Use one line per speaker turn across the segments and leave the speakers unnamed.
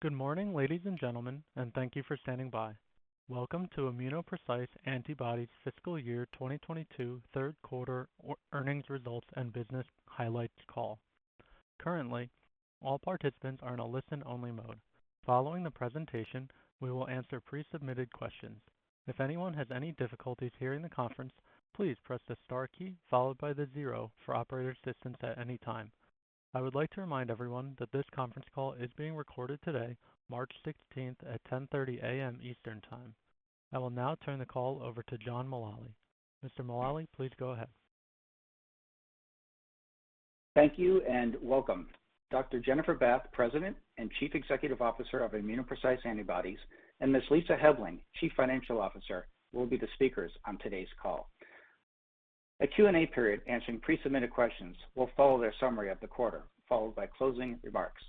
Good morning, ladies and gentlemen, and thank you for standing by. Welcome to ImmunoPrecise Antibodies' Fiscal Year 2022 third quarter earnings results and business highlights call. Currently, all participants are in a listen-only mode. Following the presentation, we will answer pre-submitted questions. If anyone has any difficulties hearing the conference, please press the star key followed by the zero for operator assistance at any time. I would like to remind everyone that this conference call is being recorded today, March sixteenth at 10:30 A.M. Eastern Time. I will now turn the call over to John Mullaly. Mr. Mullaly, please go ahead.
Thank you and welcome. Dr. Jennifer Bath, President and Chief Executive Officer of ImmunoPrecise Antibodies, and Ms. Lisa Helbling, Chief Financial Officer, will be the speakers on today's call. A Q&A period answering pre-submitted questions will follow their summary of the quarter, followed by closing remarks.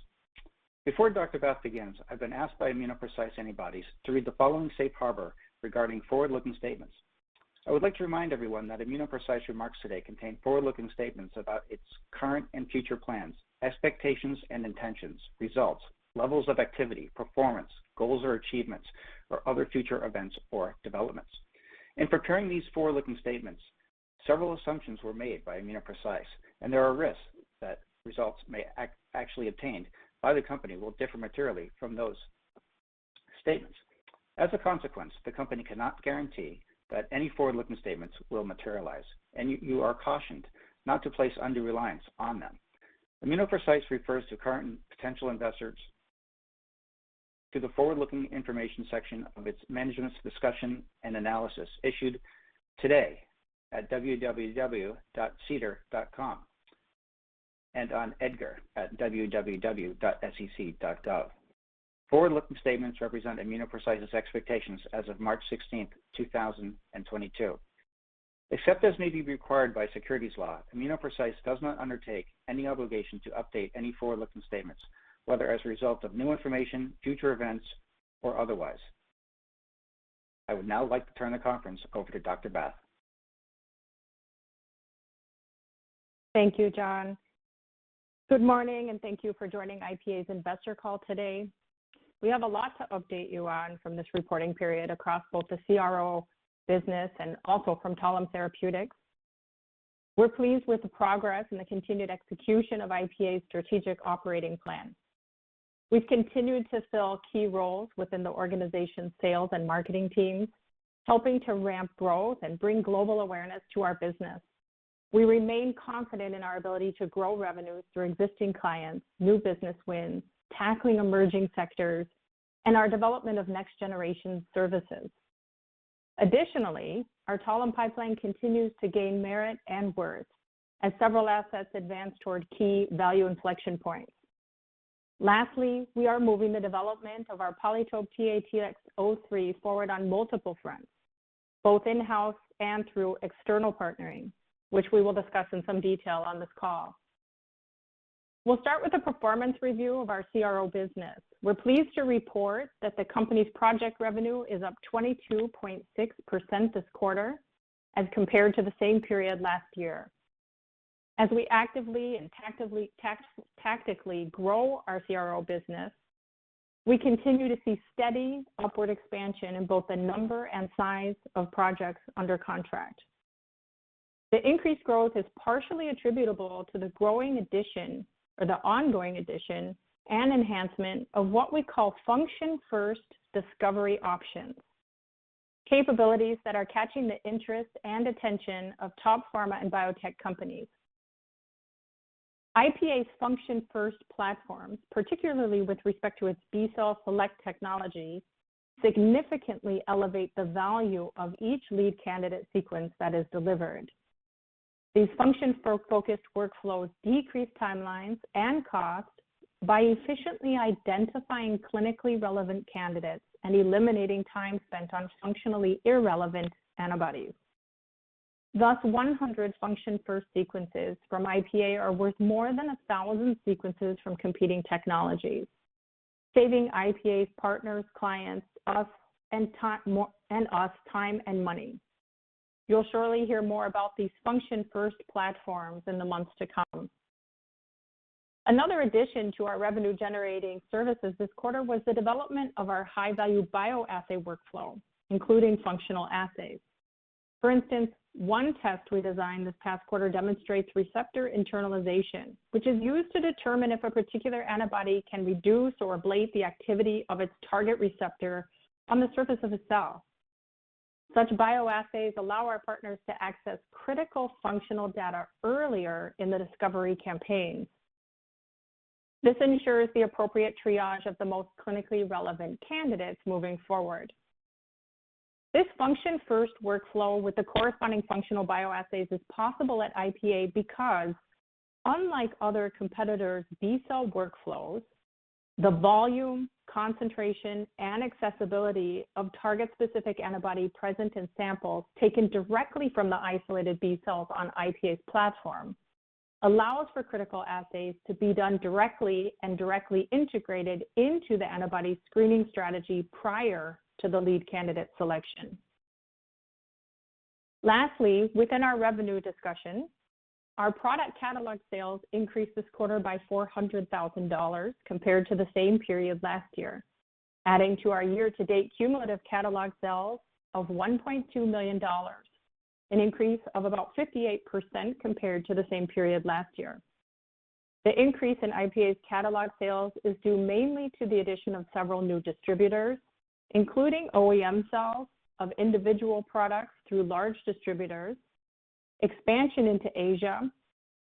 Before Dr. Bath begins, I've been asked by ImmunoPrecise Antibodies to read the following safe harbor regarding forward-looking statements. I would like to remind everyone that ImmunoPrecise remarks today contain forward-looking statements about its current and future plans, expectations and intentions, results, levels of activity, performance, goals or achievements or other future events or developments. In preparing these forward-looking statements, several assumptions were made by ImmunoPrecise, and there are risks that results may actually be obtained by the company will differ materially from those statements. As a consequence, the company cannot guarantee that any forward-looking statements will materialize, and you are cautioned not to place undue reliance on them. ImmunoPrecise refers to current and potential investors to the forward-looking information section of its management's discussion and analysis issued today at www.sedar.com and on EDGAR at www.sec.gov. Forward-looking statements represent ImmunoPrecise's expectations as of March sixteenth, two thousand and twenty-two. Except as may be required by securities law, ImmunoPrecise does not undertake any obligation to update any forward-looking statements, whether as a result of new information, future events or otherwise. I would now like to turn the conference over to Dr. Bath.
Thank you, John. Good morning, and thank you for joining IPA's investor call today. We have a lot to update you on from this reporting period across both the CRO business and also from Talem Therapeutics. We're pleased with the progress and the continued execution of IPA's strategic operating plan. We've continued to fill key roles within the organization's sales and marketing teams, helping to ramp growth and bring global awareness to our business. We remain confident in our ability to grow revenues through existing clients, new business wins, tackling emerging sectors, and our development of next generation services. Additionally, our Talem pipeline continues to gain merit and worth as several assets advance toward key value inflection points. Lastly, we are moving the development of our PolyTope TATX-03 forward on multiple fronts, both in-house and through external partnering, which we will discuss in some detail on this call. We'll start with a performance review of our CRO business. We're pleased to report that the company's project revenue is up 22.6% this quarter as compared to the same period last year. As we actively and tactically grow our CRO business, we continue to see steady upward expansion in both the number and size of projects under contract. The increased growth is partially attributable to the growing addition or the ongoing addition and enhancement of what we call function first discovery options, capabilities that are catching the interest and attention of top pharma and biotech companies. IPA's function first platforms, particularly with respect to its B cell Select technology, significantly elevate the value of each lead candidate sequence that is delivered. These function-focused workflows decrease timelines and costs by efficiently identifying clinically relevant candidates and eliminating time spent on functionally irrelevant antibodies. Thus, 100 function-first sequences from IPA are worth more than 1,000 sequences from competing technologies, saving IPA's partners, clients, us time and money. You'll surely hear more about these function-first platforms in the months to come. Another addition to our revenue generating services this quarter was the development of our high-value bioassay workflow, including functional assays. For instance, one test we designed this past quarter demonstrates receptor internalization, which is used to determine if a particular antibody can reduce or ablate the activity of its target receptor on the surface of a cell. Such bioassays allow our partners to access critical functional data earlier in the discovery campaign. This ensures the appropriate triage of the most clinically relevant candidates moving forward. This function-first workflow with the corresponding functional bioassays is possible at IPA because unlike other competitors' B cell workflows, the volume, concentration, and accessibility of target-specific antibody present in samples taken directly from the isolated B cells on IPA's platform allows for critical assays to be done directly and directly integrated into the antibody screening strategy prior to the lead candidate selection. Lastly, within our revenue discussion, our product catalog sales increased this quarter by 400,000 dollars compared to the same period last year, adding to our year-to-date cumulative catalog sales of 1.2 million dollars, an increase of about 58% compared to the same period last year. The increase in IPA's catalog sales is due mainly to the addition of several new distributors, including OEM sales of individual products through large distributors, expansion into Asia,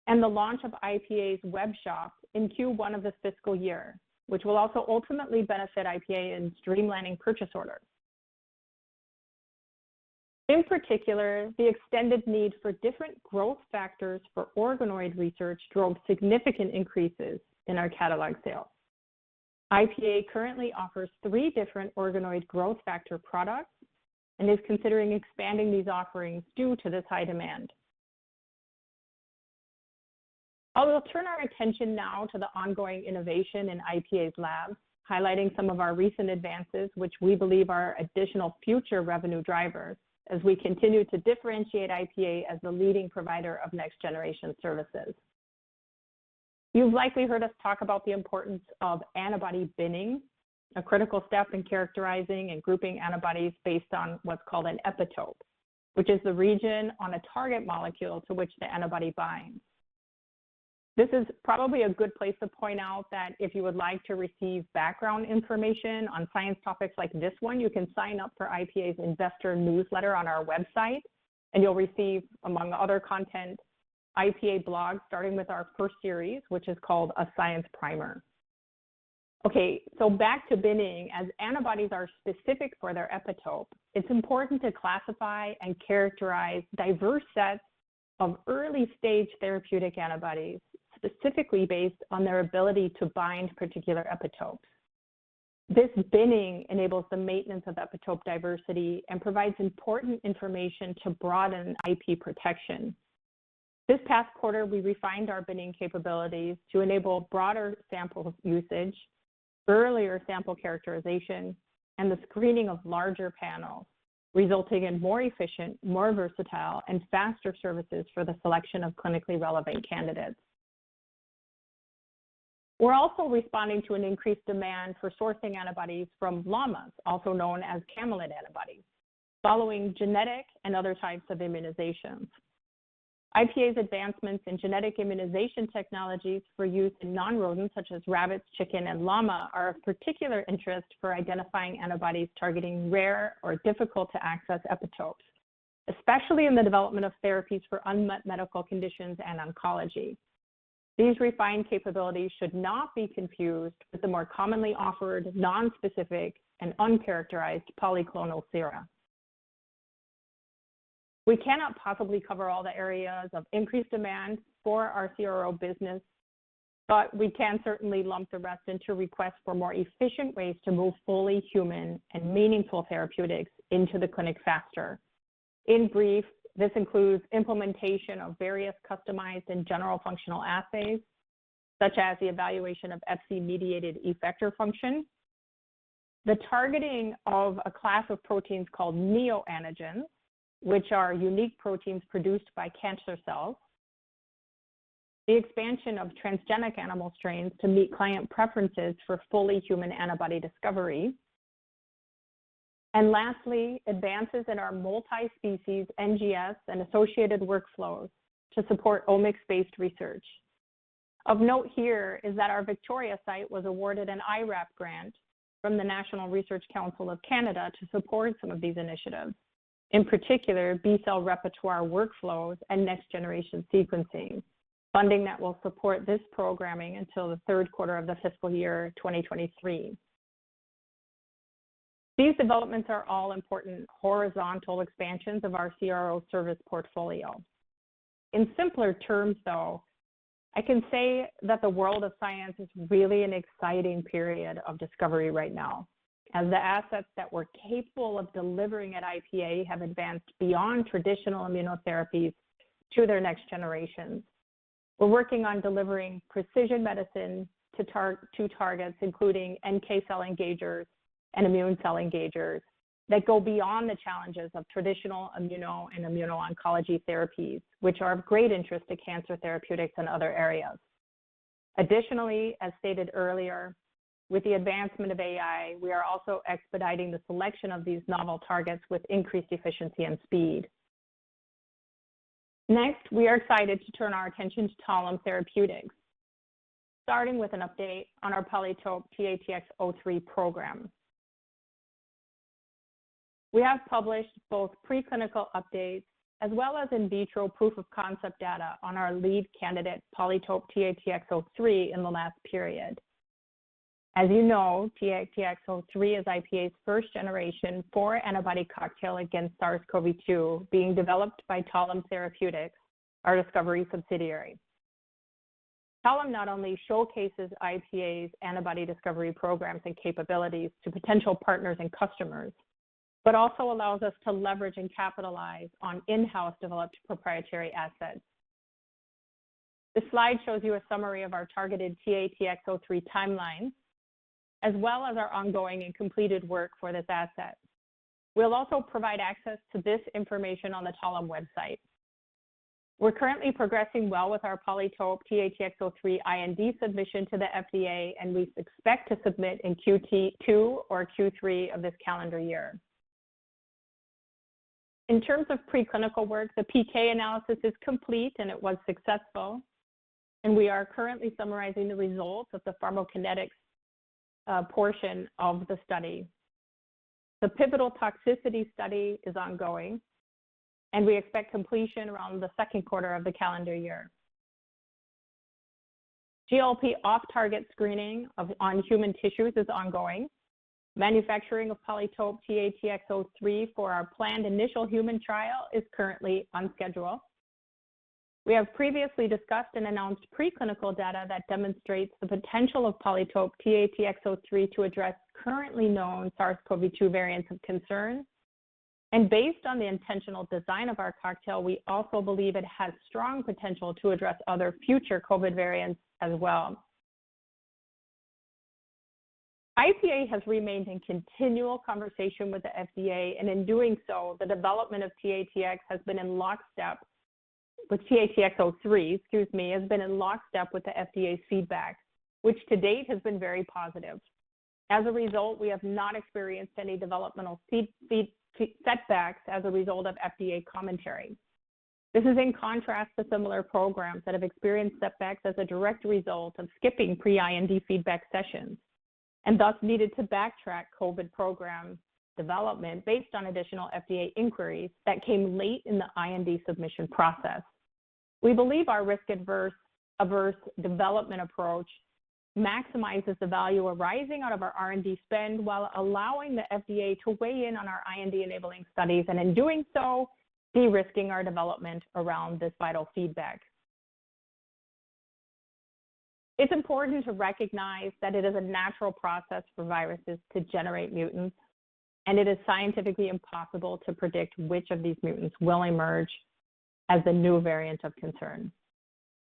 and the launch of IPA's webshop in Q1 of this fiscal year, which will also ultimately benefit IPA in streamlining purchase orders. In particular, the extended need for different growth factors for organoid research drove significant increases in our catalog sales. IPA currently offers three different organoid growth factor products and is considering expanding these offerings due to this high demand. I will turn our attention now to the ongoing innovation in IPA's labs, highlighting some of our recent advances which we believe are additional future revenue drivers as we continue to differentiate IPA as the leading provider of next-generation services. You've likely heard us talk about the importance of antibody binning, a critical step in characterizing and grouping antibodies based on what's called an epitope, which is the region on a target molecule to which the antibody binds. This is probably a good place to point out that if you would like to receive background information on science topics like this one, you can sign up for IPA's investor newsletter on our website, and you'll receive, among other content, IPA blogs starting with our first series, which is called A Science Primer. Okay, so back to binning. As antibodies are specific for their epitope, it's important to classify and characterize diverse sets of early-stage therapeutic antibodies specifically based on their ability to bind particular epitopes. This binning enables the maintenance of epitope diversity and provides important information to broaden IP protection. This past quarter, we refined our binning capabilities to enable broader sample usage, earlier sample characterization, and the screening of larger panels, resulting in more efficient, more versatile, and faster services for the selection of clinically relevant candidates. We're also responding to an increased demand for sourcing antibodies from llamas, also known as camelid antibodies, following genetic and other types of immunizations. IPA's advancements in genetic immunization technologies for use in non-rodents such as rabbits, chicken, and llama are of particular interest for identifying antibodies targeting rare or difficult-to-access epitopes, especially in the development of therapies for unmet medical conditions and oncology. These refined capabilities should not be confused with the more commonly offered non-specific and uncharacterized polyclonal sera. We cannot possibly cover all the areas of increased demand for our CRO business, but we can certainly lump the rest into requests for more efficient ways to move fully human and meaningful therapeutics into the clinic faster. In brief, this includes implementation of various customized and general functional assays, such as the evaluation of Fc-mediated effector function, the targeting of a class of proteins called neoantigens, which are unique proteins produced by cancer cells, the expansion of transgenic animal strains to meet client preferences for fully human antibody discovery, and lastly, advances in our multi-species NGS and associated workflows to support omics-based research. Of note here is that our Victoria site was awarded an IRAP grant from the National Research Council of Canada to support some of these initiatives, in particular B cell repertoire workflows and next-generation sequencing, funding that will support this programming until the third quarter of the fiscal year 2023. These developments are all important horizontal expansions of our CRO service portfolio. In simpler terms, though, I can say that the world of science is really an exciting period of discovery right now, as the assets that we're capable of delivering at IPA have advanced beyond traditional immunotherapies to their next generations. We're working on delivering precision medicine to targets including NK cell engagers and immune cell engagers that go beyond the challenges of traditional immuno and immuno-oncology therapies, which are of great interest to cancer therapeutics and other areas. Additionally, as stated earlier, with the advancement of AI, we are also expediting the selection of these novel targets with increased efficiency and speed. Next, we are excited to turn our attention to Talem Therapeutics, starting with an update on our PolyTope-TATX-03 program. We have published both preclinical updates as well as in vitro proof-of-concept data on our lead candidate PolyTope-TATX-03 in the last period. As you know, TATX-03 is IPA's first-generation four-antibody cocktail against SARS-CoV-2 being developed by Talem Therapeutics, our discovery subsidiary. Talem not only showcases IPA's antibody discovery programs and capabilities to potential partners and customers but also allows us to leverage and capitalize on in-house developed proprietary assets. This slide shows you a summary of our targeted TATX-03 timeline, as well as our ongoing and completed work for this asset. We'll also provide access to this information on the Talem website. We're currently progressing well with our PolyTope TATX-03 IND submission to the FDA, and we expect to submit in Q2 or Q3 of this calendar year. In terms of preclinical work, the PK analysis is complete, and it was successful, and we are currently summarizing the results of the pharmacokinetics portion of the study. The pivotal toxicity study is ongoing, and we expect completion around the second quarter of the calendar year. GLP off-target screening on human tissues is ongoing. Manufacturing of PolyTope TATX-03 for our planned initial human trial is currently on schedule. We have previously discussed and announced preclinical data that demonstrates the potential of PolyTope TATX-03 to address currently known SARS-CoV-2 variants of concern. Based on the intentional design of our cocktail, we also believe it has strong potential to address other future COVID variants as well. IPA has remained in continual conversation with the FDA, and in doing so, the development of TATX-03 has been in lockstep with the FDA's feedback, which to date has been very positive. As a result, we have not experienced any developmental feedback setbacks as a result of FDA commentary. This is in contrast to similar programs that have experienced setbacks as a direct result of skipping pre-IND feedback sessions and thus needed to backtrack COVID program development based on additional FDA inquiries that came late in the IND submission process. We believe our risk averse development approach maximizes the value arising out of our R&D spend while allowing the FDA to weigh in on our IND-enabling studies, and in doing so, de-risking our development around this vital feedback. It's important to recognize that it is a natural process for viruses to generate mutants, and it is scientifically impossible to predict which of these mutants will emerge as the new variant of concern.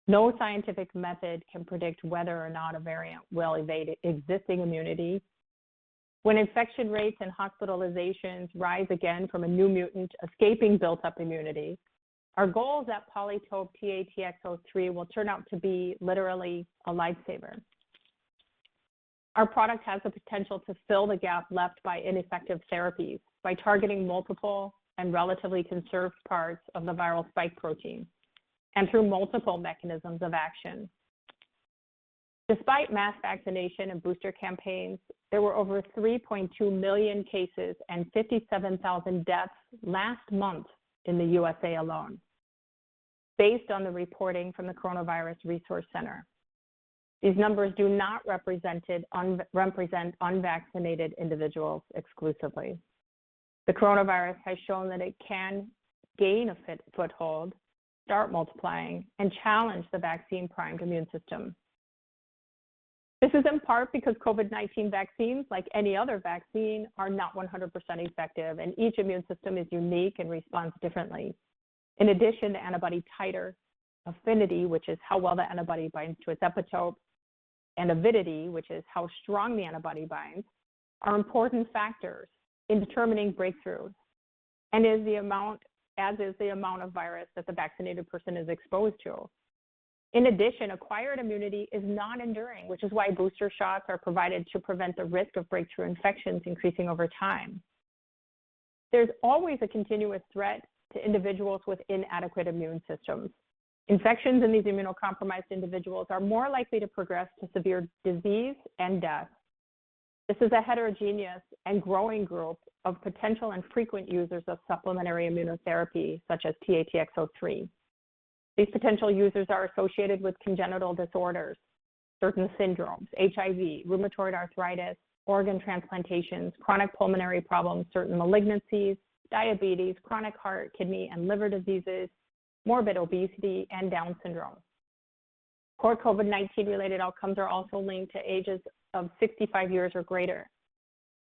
No scientific method can predict whether or not a variant will evade pre-existing immunity. When infection rates and hospitalizations rise again from a new mutant escaping built-up immunity, our goals at PolyTope TATX-03 will turn out to be literally a lifesaver. Our product has the potential to fill the gap left by ineffective therapies by targeting multiple and relatively conserved parts of the viral spike protein and through multiple mechanisms of action. Despite mass vaccination and booster campaigns, there were over 3.2 million cases and 57,000 deaths last month in the USA alone based on the reporting from the Coronavirus Resource Center. These numbers do not represent unvaccinated individuals exclusively. The coronavirus has shown that it can gain a foothold, start multiplying, and challenge the vaccine-primed immune system. This is in part because COVID-19 vaccines, like any other vaccine, are not 100% effective, and each immune system is unique and responds differently. In addition to antibody titer, affinity, which is how well the antibody binds to its epitope, and avidity, which is how strong the antibody binds, are important factors in determining breakthrough, as is the amount of virus that the vaccinated person is exposed to. In addition, acquired immunity is non-enduring, which is why booster shots are provided to prevent the risk of breakthrough infections increasing over time. There's always a continuous threat to individuals with inadequate immune systems. Infections in these immunocompromised individuals are more likely to progress to severe disease and death. This is a heterogeneous and growing group of potential and frequent users of supplementary immunotherapy, such as TATX-03. These potential users are associated with congenital disorders, certain syndromes, HIV, rheumatoid arthritis, organ transplantations, chronic pulmonary problems, certain malignancies, diabetes, chronic heart, kidney, and liver diseases, morbid obesity, and Down syndrome. Poor COVID-19-related outcomes are also linked to ages of 65 years or greater.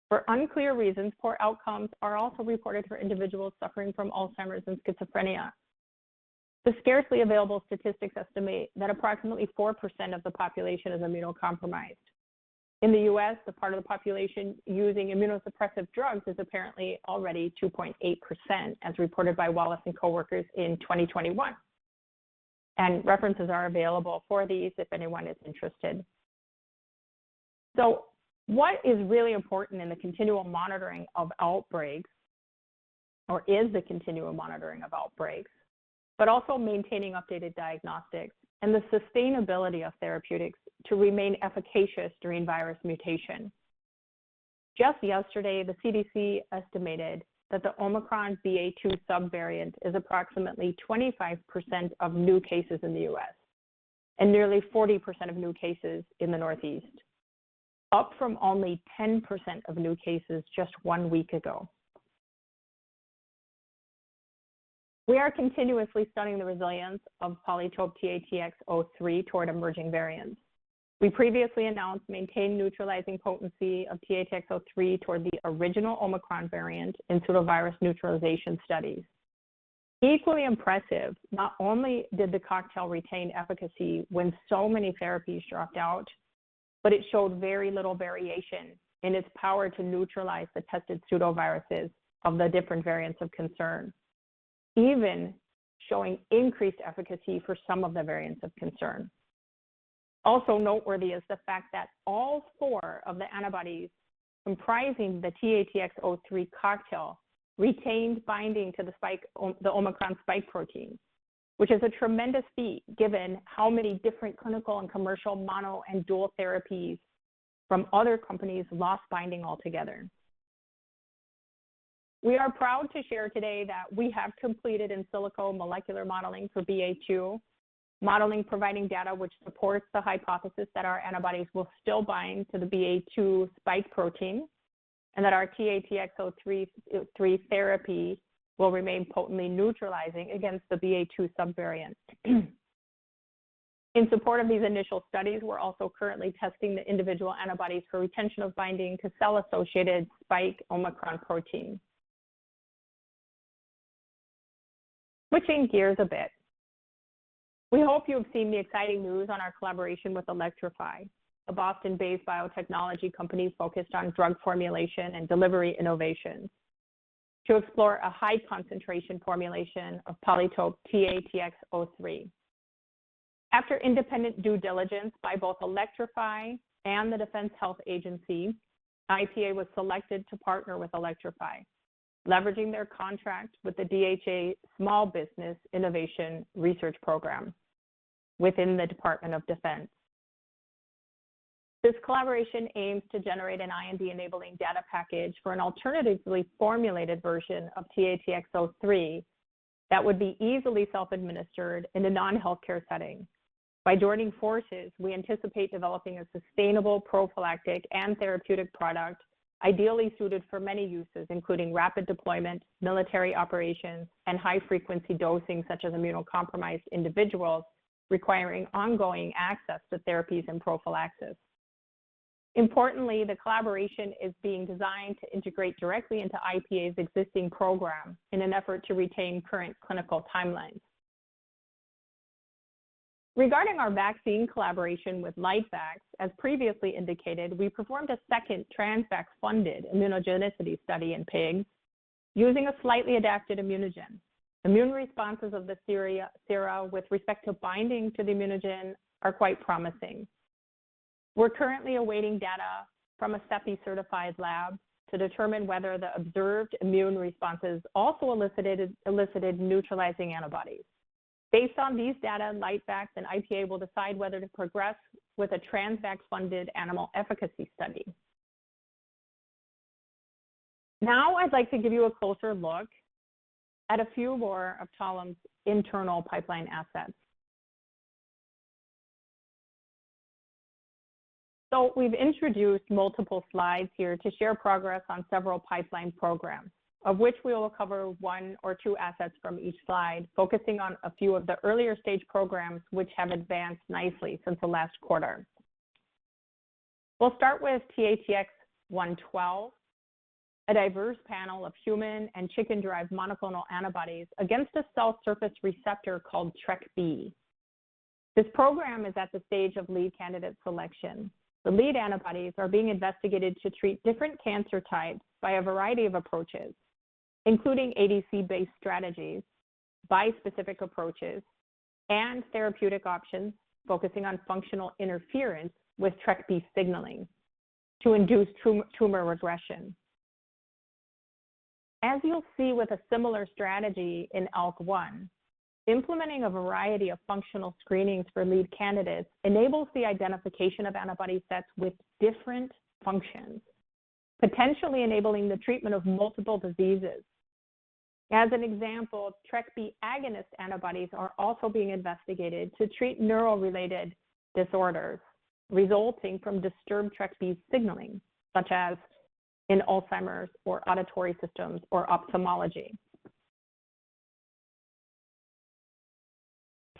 For unclear reasons, poor outcomes are also reported for individuals suffering from Alzheimer's and schizophrenia. The scarcely available statistics estimate that approximately 4% of the population is immunocompromised. In the U.S., the part of the population using immunosuppressive drugs is apparently already 2.8%, as reported by Wallace and coworkers in 2021. References are available for these if anyone is interested. What is really important in the continual monitoring of outbreaks, but also maintaining updated diagnostics and the sustainability of therapeutics to remain efficacious during virus mutation. Just yesterday, the CDC estimated that the Omicron BA.2 subvariant is approximately 25% of new cases in the U.S. and nearly 40% of new cases in the Northeast, up from only 10% of new cases just one week ago. We are continuously studying the resilience of PolyTope TATX-03 toward emerging variants. We previously announced maintained neutralizing potency of TATX-03 toward the original Omicron variant in pseudovirus neutralization studies. Equally impressive, not only did the cocktail retain efficacy when so many therapies dropped out, but it showed very little variation in its power to neutralize the tested pseudoviruses of the different variants of concern, even showing increased efficacy for some of the variants of concern. Also noteworthy is the fact that all four of the antibodies comprising the TATX-03 cocktail retained binding to the spike, the Omicron spike protein, which is a tremendous feat given how many different clinical and commercial mono and dual therapies from other companies lost binding altogether. We are proud to share today that we have completed in silico molecular modeling for BA.2, modeling providing data which supports the hypothesis that our antibodies will still bind to the BA.2 spike protein, and that our TATX-03 therapy will remain potently neutralizing against the BA.2 subvariant. In support of these initial studies, we're also currently testing the individual antibodies for retention of binding to cell-associated spike Omicron protein. Switching gears a bit, we hope you have seen the exciting news on our collaboration with Elektrofi, a Boston-based biotechnology company focused on drug formulation and delivery innovations to explore a high-concentration formulation of PolyTope TATX-03. After independent due diligence by both Elektrofi and the Defense Health Agency, IPA was selected to partner with Elektrofi, leveraging their contract with the DHA Small Business Innovation Research program within the Department of Defense. This collaboration aims to generate an IND-enabling data package for an alternatively formulated version of TATX-03 that would be easily self-administered in a non-healthcare setting. By joining forces, we anticipate developing a sustainable prophylactic and therapeutic product ideally suited for many uses, including rapid deployment, military operations, and high-frequency dosing, such as immunocompromised individuals requiring ongoing access to therapies and prophylaxis. Importantly, the collaboration is being designed to integrate directly into IPA's existing program in an effort to retain current clinical timelines. Regarding our vaccine collaboration with LifeX, as previously indicated, we performed a second Transvax-funded immunogenicity study in pigs using a slightly adapted immunogen. Immune responses of the sera with respect to binding to the immunogen are quite promising. We're currently awaiting data from a CEPI-certified lab to determine whether the observed immune responses also elicited neutralizing antibodies. Based on these data, LifeX and IPA will decide whether to progress with a Transvax-funded animal efficacy study. Now I'd like to give you a closer look at a few more of Talem's internal pipeline assets. We've introduced multiple slides here to share progress on several pipeline programs, of which we will cover one or two assets from each slide, focusing on a few of the earlier-stage programs which have advanced nicely since the last quarter. We'll start with TATX-112, a diverse panel of human and chicken-derived monoclonal antibodies against a cell surface receptor called TrkB. This program is at the stage of lead candidate selection. The lead antibodies are being investigated to treat different cancer types by a variety of approaches, including ADC-based strategies, bispecific approaches, and therapeutic options focusing on functional interference with TrkB signaling to induce tumor regression. As you'll see with a similar strategy in ALK1, implementing a variety of functional screenings for lead candidates enables the identification of antibody sets with different functions, potentially enabling the treatment of multiple diseases. As an example, TrkB agonist antibodies are also being investigated to treat neural-related disorders resulting from disturbed TrkB signaling, such as in Alzheimer's or auditory systems or ophthalmology.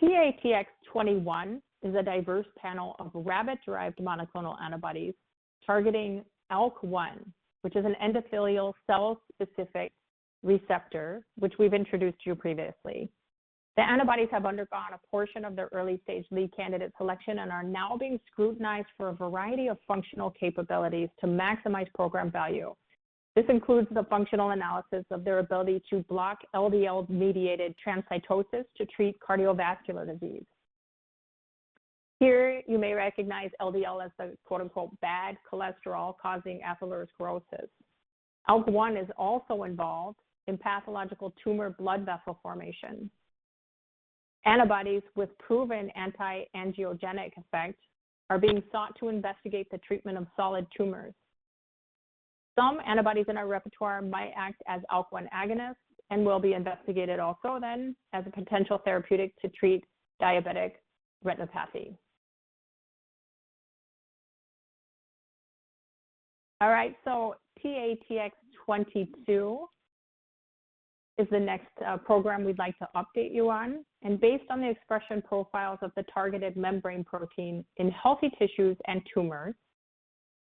TATX-21 is a diverse panel of rabbit-derived monoclonal antibodies targeting ALK1, which is an endothelial cell-specific receptor, which we've introduced to you previously. The antibodies have undergone a portion of their early-stage lead candidate selection and are now being scrutinized for a variety of functional capabilities to maximize program value. This includes the functional analysis of their ability to block LDL-mediated transcytosis to treat cardiovascular disease. Here you may recognize LDL as the quote-unquote "bad cholesterol" causing atherosclerosis. ALK1 is also involved in pathological tumor blood vessel formation. Antibodies with proven anti-angiogenic effects are being sought to investigate the treatment of solid tumors. Some antibodies in our repertoire might act as ALK1 agonists and will be investigated also then as a potential therapeutic to treat diabetic retinopathy. All right. TATX-22 is the next program we'd like to update you on. Based on the expression profiles of the targeted membrane protein in healthy tissues and tumors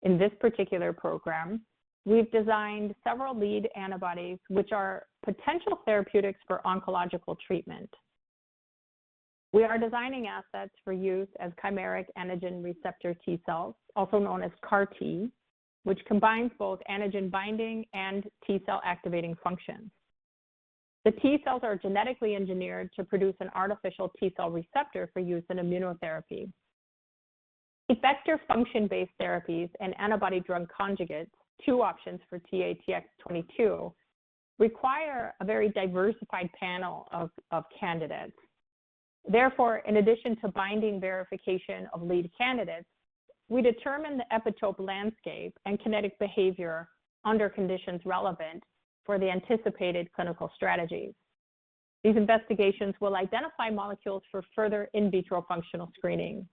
in this particular program, we've designed several lead antibodies which are potential therapeutics for oncological treatment. We are designing assets for use as chimeric antigen receptor T cells, also known as CAR T, which combines both antigen binding and T cell activating functions. The T cells are genetically engineered to produce an artificial T cell receptor for use in immunotherapy. Effector function based therapies and antibody drug conjugates, two options for TATX 22, require a very diversified panel of candidates. Therefore, in addition to binding verification of lead candidates, we determine the epitope landscape and kinetic behavior under conditions relevant for the anticipated clinical strategies. These investigations will identify molecules for further in vitro functional screening.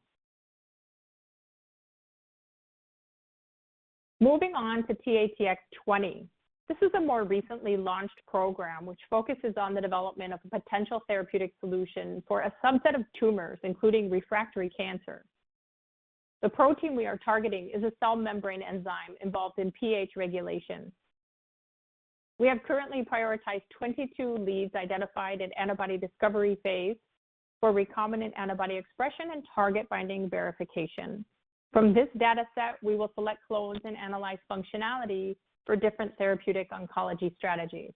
Moving on to TATX 20. This is a more recently launched program which focuses on the development of a potential therapeutic solution for a subset of tumors, including refractory cancer. The protein we are targeting is a cell membrane enzyme involved in pH regulation. We have currently prioritized 22 leads identified in antibody discovery phase for recombinant antibody expression and target binding verification. From this data set, we will select clones and analyze functionality for different therapeutic oncology strategies.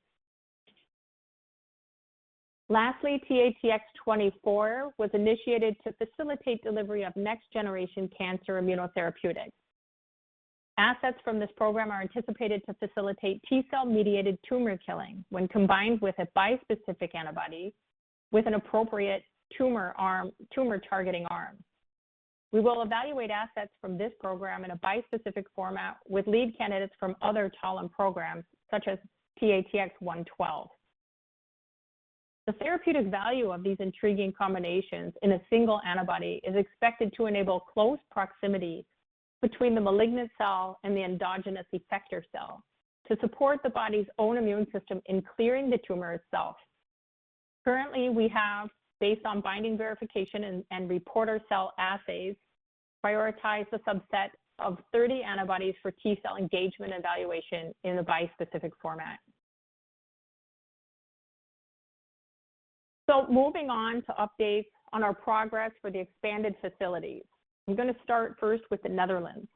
Lastly, TATX 24 was initiated to facilitate delivery of next generation cancer immunotherapeutics. Assets from this program are anticipated to facilitate T cell mediated tumor killing when combined with a bispecific antibody with an appropriate tumor arm, tumor targeting arm. We will evaluate assets from this program in a bispecific format with lead candidates from other Talem programs such as TATX 112. The therapeutic value of these intriguing combinations in a single antibody is expected to enable close proximity between the malignant cell and the endogenous effector cell to support the body's own immune system in clearing the tumor itself. Currently, we have, based on binding verification and reporter cell assays, prioritized a subset of 30 antibodies for T cell engagement evaluation in a bispecific format. Moving on to updates on our progress for the expanded facilities. I'm going to start first with the Netherlands.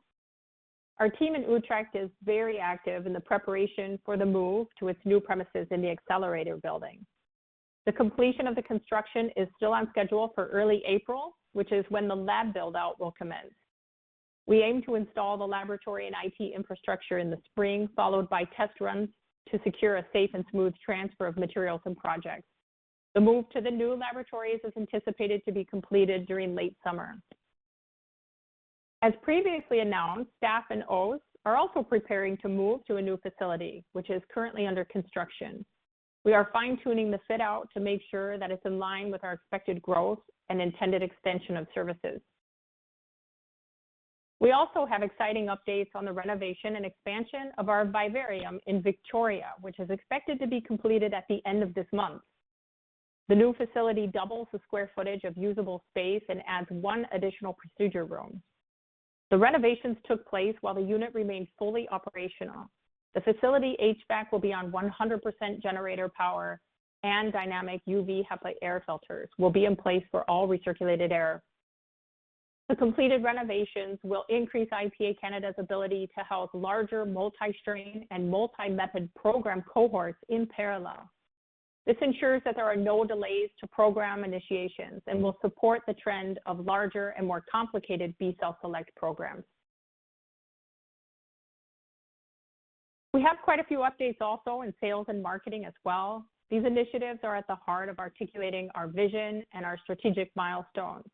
Our team in Utrecht is very active in the preparation for the move to its new premises in the Accelerator building. The completion of the construction is still on schedule for early April, which is when the lab build out will commence. We aim to install the laboratory and IT infrastructure in the spring, followed by test runs to secure a safe and smooth transfer of materials and projects. The move to the new laboratories is anticipated to be completed during late summer. As previously announced, staff in Oss are also preparing to move to a new facility which is currently under construction. We are fine-tuning the fit out to make sure that it's in line with our expected growth and intended extension of services. We also have exciting updates on the renovation and expansion of our vivarium in Victoria, which is expected to be completed at the end of this month. The new facility doubles the square footage of usable space and adds one additional procedure room. The renovations took place while the unit remained fully operational. The facility HVAC will be on 100% generator power and dynamic UV HEPA air filters will be in place for all recirculated air. The completed renovations will increase IPA Canada's ability to house larger multi-strain and multi-method program cohorts in parallel. This ensures that there are no delays to program initiations and will support the trend of larger and more complicated B Cell Select programs. We have quite a few updates also in sales and marketing as well. These initiatives are at the heart of articulating our vision and our strategic milestones.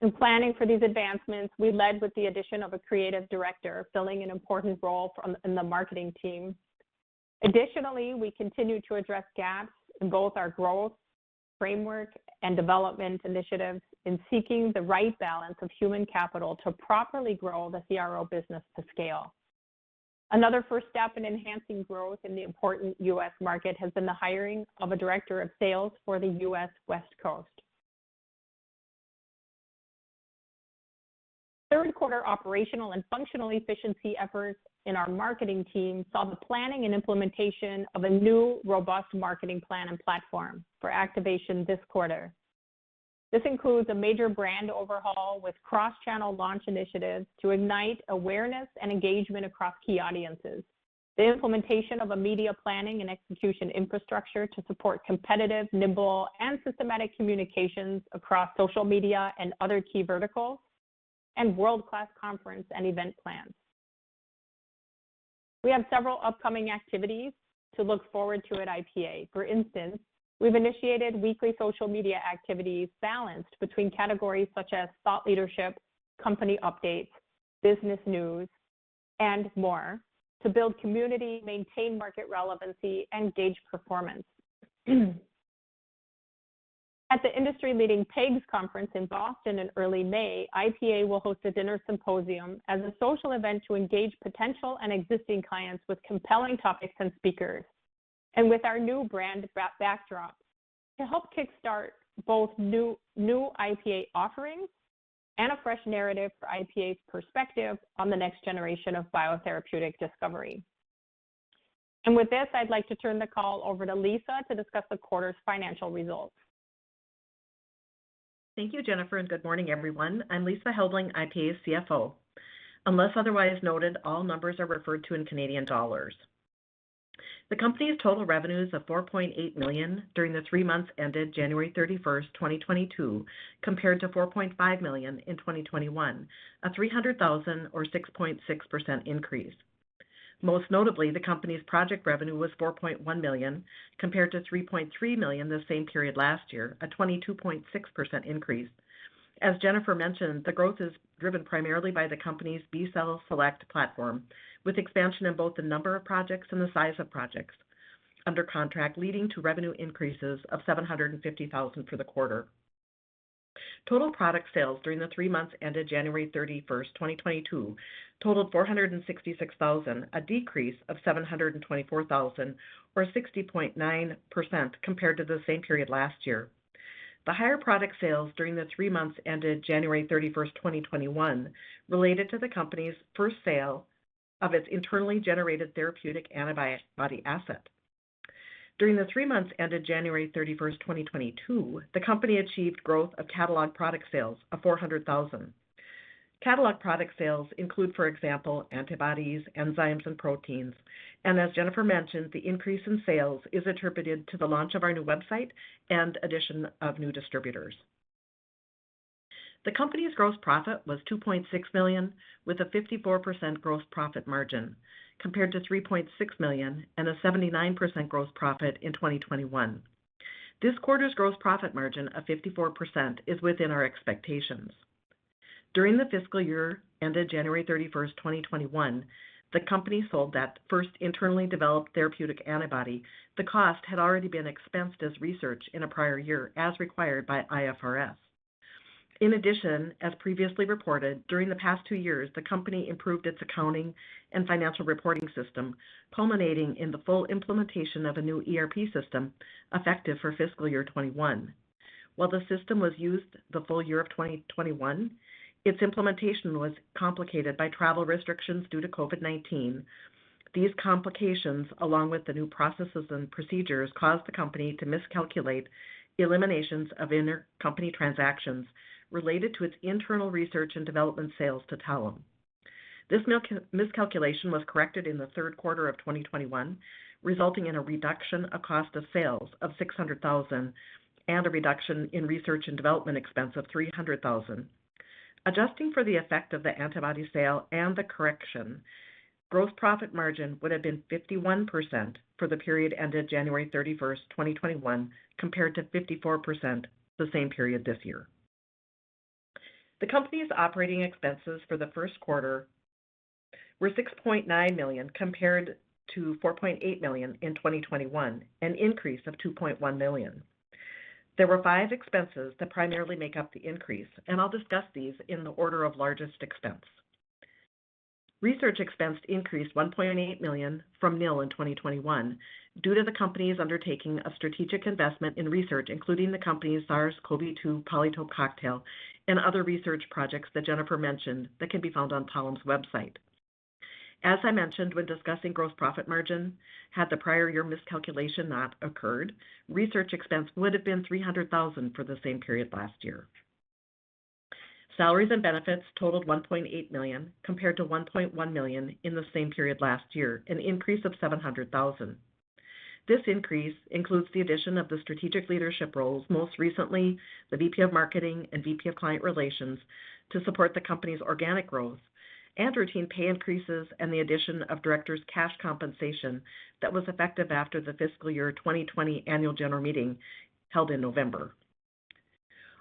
In planning for these advancements, we led with the addition of a creative director filling an important role in the marketing team. Additionally, we continue to address gaps in both our growth framework and development initiatives in seeking the right balance of human capital to properly grow the CRO business to scale. Another first step in enhancing growth in the important U.S. market has been the hiring of a director of sales for the U.S. West Coast. Third quarter operational and functional efficiency efforts in our marketing team saw the planning and implementation of a new robust marketing plan and platform for activation this quarter. This includes a major brand overhaul with cross-channel launch initiatives to ignite awareness and engagement across key audiences. The implementation of a media planning and execution infrastructure to support competitive, nimble, and systematic communications across social media and other key verticals and world-class conference and event plans. We have several upcoming activities to look forward to at IPA. For instance, we've initiated weekly social media activities balanced between categories such as thought leadership, company updates, business news, and more to build community, maintain market relevancy, and gauge performance. At the industry-leading PEGS conference in Boston in early May, IPA will host a dinner symposium as a social event to engage potential and existing clients with compelling topics and speakers, and with our new brand backdrop to help kickstart both new IPA offerings and a fresh narrative for IPA's perspective on the next generation of biotherapeutic discovery. With this, I'd like to turn the call over to Lisa to discuss the quarter's financial results.
Thank you, Jennifer, and good morning, everyone. I'm Lisa Helbling, IPA's CFO. Unless otherwise noted, all numbers are referred to in Canadian dollars. The company's total revenues of 4.8 million during the three months ended January 31, 2022, compared to 4.5 million in 2021, a 300,000 or 6.6% increase. Most notably, the company's project revenue was 4.1 million, compared to 3.3 million the same period last year, a 22.6% increase. As Jennifer mentioned, the growth is driven primarily by the company's B cell Select platform, with expansion in both the number of projects and the size of projects under contract, leading to revenue increases of 750,000 for the quarter. Total product sales during the three months ended January 31, 2022 totaled 466,000, a decrease of 724,000 or 60.9% compared to the same period last year. The higher product sales during the three months ended January 31, 2021 related to the company's first sale of its internally generated therapeutic antibody asset. During the three months ended January 31, 2022, the company achieved growth of catalog product sales of 400,000. Catalog product sales include, for example, antibodies, enzymes, and proteins. As Jennifer mentioned, the increase in sales is attributed to the launch of our new website and addition of new distributors. The company's gross profit was 2.6 million, with a 54% gross profit margin, compared to 3.6 million and a 79% gross profit margin in 2021. This quarter's gross profit margin of 54% is within our expectations. During the fiscal year ended January 31, 2021, the company sold that first internally developed therapeutic antibody. The cost had already been expensed as research in a prior year, as required by IFRS. In addition, as previously reported, during the past 2 years, the company improved its accounting and financial reporting system, culminating in the full implementation of a new ERP system effective for fiscal year 2021. While the system was used the full year of 2021, its implementation was complicated by travel restrictions due to COVID-19. These complications, along with the new processes and procedures, caused the company to miscalculate eliminations of intercompany transactions related to its internal research and development sales to Talem. This miscalculation was corrected in the third quarter of 2021, resulting in a reduction of cost of sales of 600 thousand and a reduction in research and development expense of 300 thousand. Adjusting for the effect of the antibody sale and the correction, gross profit margin would have been 51% for the period ended January 31, 2021, compared to 54% the same period this year. The company's operating expenses for the first quarter were 6.9 million compared to 4.8 million in 2021, an increase of 2.1 million. There were five expenses that primarily make up the increase, and I'll discuss these in the order of largest expense. Research expense increased 1.8 million from nil in 2021 due to the company's undertaking a strategic investment in research, including the company's SARS-CoV-2 PolyTope cocktail and other research projects that Jennifer mentioned that can be found on Talem's website. As I mentioned when discussing gross profit margin, had the prior year miscalculation not occurred, research expense would have been 300,000 for the same period last year. Salaries and benefits totaled 1.8 million, compared to 1.1 million in the same period last year, an increase of 700,000. This increase includes the addition of the strategic leadership roles, most recently the VP of Marketing and VP of Client Relations, to support the company's organic growth and routine pay increases and the addition of directors' cash compensation that was effective after the fiscal year 2020 annual general meeting held in November.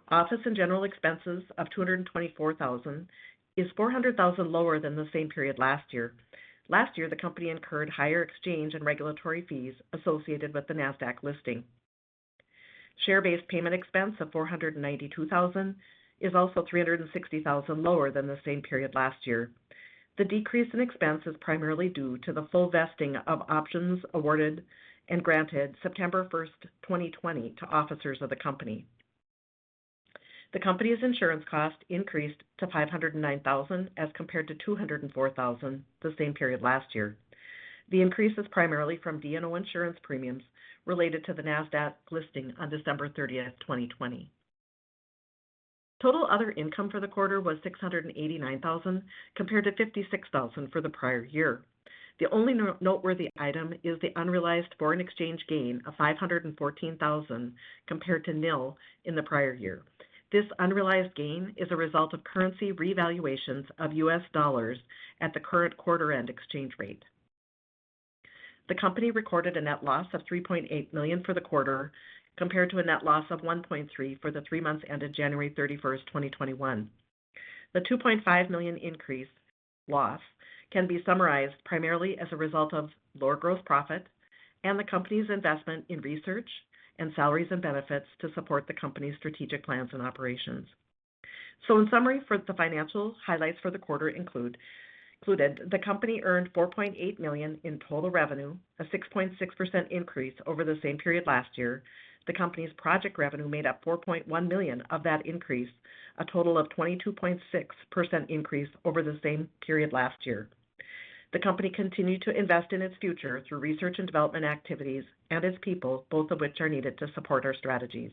Office and general expenses of 224 thousand is 400 thousand lower than the same period last year. Last year, the company incurred higher exchange and regulatory fees associated with the Nasdaq listing. Share-based payment expense of 492 thousand is also 360 thousand lower than the same period last year. The decrease in expense is primarily due to the full vesting of options awarded and granted September first, 2020 to officers of the company. The company's insurance cost increased to 509 thousand, as compared to 204 thousand the same period last year. The increase is primarily from D&O insurance premiums related to the Nasdaq listing on December thirtieth, 2020. Total other income for the quarter was 689 thousand, compared to 56 thousand for the prior year. The only noteworthy item is the unrealized foreign exchange gain of 514,000, compared to nil in the prior year. This unrealized gain is a result of currency revaluations of U.S. dollars at the current quarter-end exchange rate. The company recorded a net loss of 3.8 million for the quarter, compared to a net loss of 1.3 million for the three months ended January 31, 2021. The $2.5 million increase in loss can be summarized primarily as a result of lower gross profit and the company's investment in research and salaries and benefits to support the company's strategic plans and operations. In summary, for the financial highlights for the quarter included the company earned 4.8 million in total revenue, a 6.6% increase over the same period last year. The company's project revenue made up 4.1 million of that increase, a total of 22.6% increase over the same period last year. The company continued to invest in its future through research and development activities and its people, both of which are needed to support our strategies.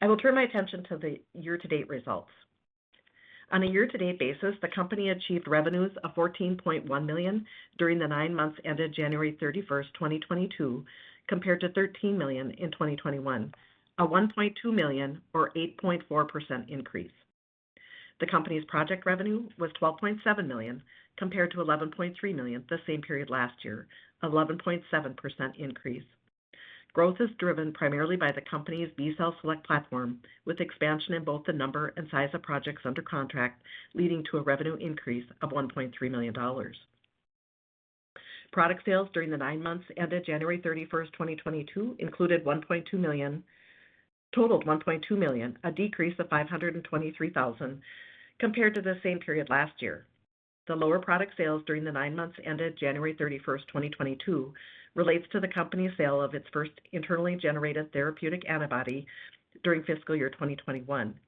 I will turn my attention to the year-to-date results. On a year-to-date basis, the company achieved revenues of 14.1 million during the nine months ended January 31, 2022, compared to 13 million in 2021, a 1.2 million or 8.4% increase. The company's project revenue was 12.7 million, compared to 11.3 million the same period last year, 11.7% increase. Growth is driven primarily by the company's B cell Select platform, with expansion in both the number and size of projects under contract, leading to a revenue increase of 1.3 million dollars. Product sales during the nine months ended January 31, 2022, totaled 1.2 million, a decrease of 523 thousand compared to the same period last year. The lower product sales during the nine months ended January 31, 2022, relates to the company's sale of its first internally generated therapeutic antibody during fiscal year 2021.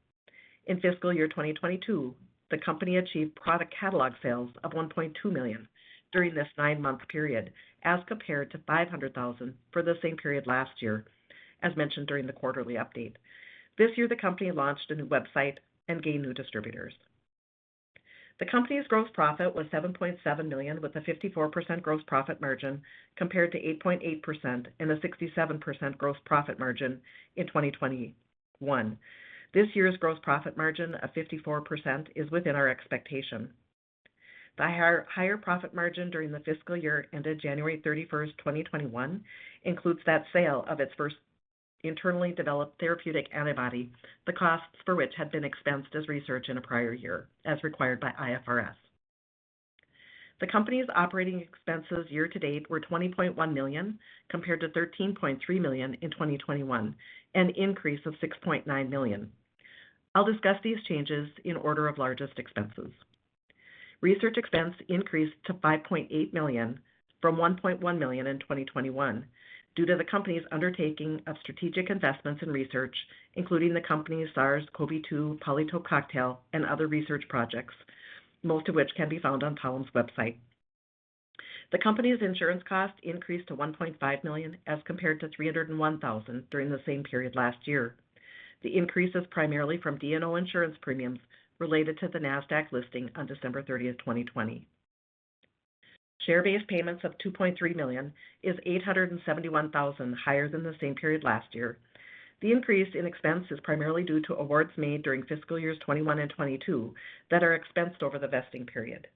In fiscal year 2022, the company achieved product catalog sales of 1.2 million during this nine-month period, as compared to 500 thousand for the same period last year, as mentioned during the quarterly update. This year, the company launched a new website and gained new distributors. The company's growth profit was 7.7 million, with a 54% gross profit margin, compared to 8.8 million and a 67% gross profit margin in 2021. This year's gross profit margin of 54% is within our expectation. The higher profit margin during the fiscal year ended January 31, 2021, includes that sale of its first internally developed therapeutic antibody, the costs for which had been expensed as research in a prior year, as required by IFRS. The company's operating expenses year-to-date were 20.1 million, compared to 13.3 million in 2021, an increase of 6.9 million. I'll discuss these changes in order of largest expenses. Research expense increased to 5.8 million from 1.1 million in 2021 due to the company's undertaking of strategic investments in research, including the company's SARS-CoV-2 PolyTope cocktail and other research projects, most of which can be found on Talem's website. The company's insurance costs increased to 1.5 million as compared to 301 thousand during the same period last year. The increase is primarily from D&O insurance premiums related to the Nasdaq listing on December 30, 2020. Share-based payments of 2.3 million is 871 thousand higher than the same period last year. The increase in expense is primarily due to awards made during fiscal years 2021 and 2022 that are expensed over the vesting period.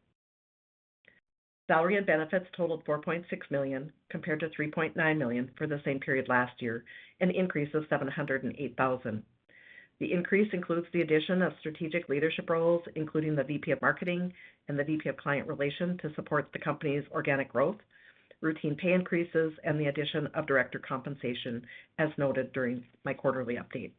Salary and benefits totaled 4.6 million, compared to 3.9 million for the same period last year, an increase of 708 thousand. The increase includes the addition of strategic leadership roles, including the VP of Marketing and the VP of Client Relations, to support the company's organic growth, routine pay increases, and the addition of director compensation, as noted during my quarterly update.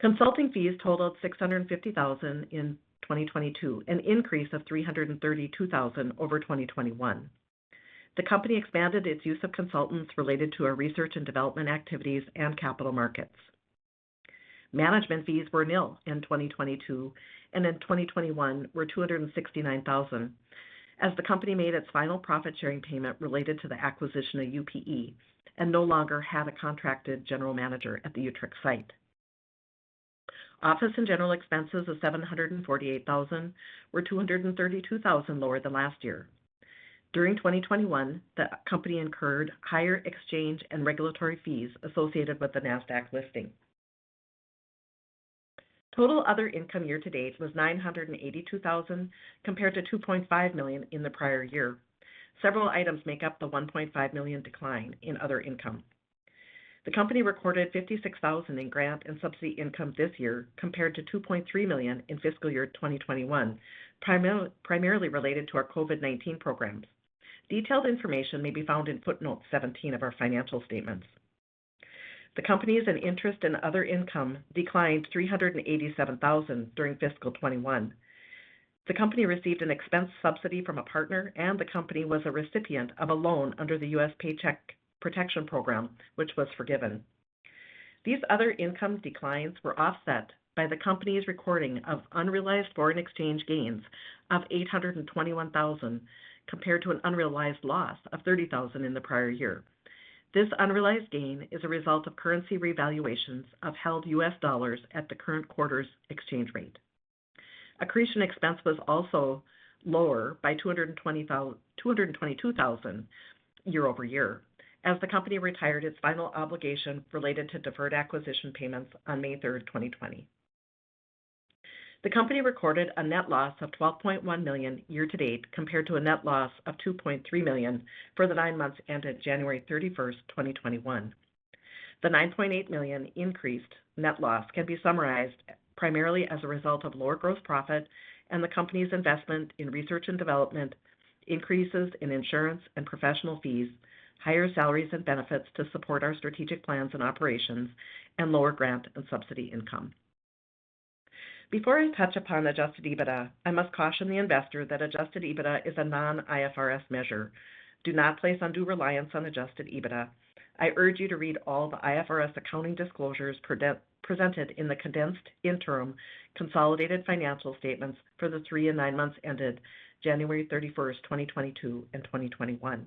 Consulting fees totaled 650 thousand in 2022, an increase of 332 thousand over 2021. The company expanded its use of consultants related to our research and development activities and capital markets. Management fees were nil in 2022, and in 2021 were 269 thousand, as the company made its final profit-sharing payment related to the acquisition of UPE and no longer had a contracted general manager at the Utrecht site. Office and general expenses of 748 thousand were 232 thousand lower than last year. During 2021, the company incurred higher exchange and regulatory fees associated with the Nasdaq listing. Total other income year-to-date was 982 thousand, compared to 2.5 million in the prior year. Several items make up the 1.5 million decline in other income. The company recorded 56 thousand in grant and subsidy income this year, compared to 2.3 million in fiscal year 2021, primarily related to our COVID-19 programs. Detailed information may be found in footnote 17 of our financial statements. The company's interest and other income declined 387 thousand during fiscal 2021. The company received an expense subsidy from a partner, and the company was a recipient of a loan under the U.S. Paycheck Protection Program, which was forgiven. These other income declines were offset by the company's recording of unrealized foreign exchange gains of 821 thousand, compared to an unrealized loss of 30 thousand in the prior year. This unrealized gain is a result of currency revaluations of held U.S. dollars at the current quarter's exchange rate. Accretion expense was also lower by 222 thousand year-over-year, as the company retired its final obligation related to deferred acquisition payments on May 3, 2020. The company recorded a net loss of 12.1 million year-to-date, compared to a net loss of 2.3 million for the nine months ended January 31, 2021. The 9.8 million increased net loss can be summarized primarily as a result of lower growth profit and the company's investment in research and development, increases in insurance and professional fees, higher salaries and benefits to support our strategic plans and operations, and lower grant and subsidy income. Before I touch upon adjusted EBITDA, I must caution the investor that adjusted EBITDA is a non-IFRS measure. Do not place undue reliance on adjusted EBITDA. I urge you to read all the IFRS accounting disclosures presented in the condensed interim consolidated financial statements for the 3 and 9 months ended January 31, 2022 and 2021.